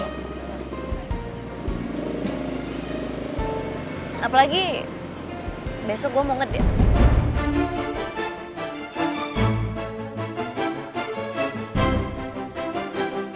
karena gue udah gak punya waktu lagi buat ngerecokin hidup lo